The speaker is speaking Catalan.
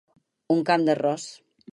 Un camp d'arròs.